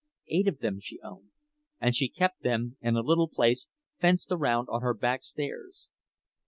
Eight of them she owned, and she kept them in a little place fenced around on her backstairs.